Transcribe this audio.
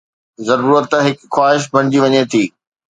ضرورت هڪ خواهش بڻجي وڃي ٿي